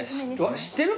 知ってる？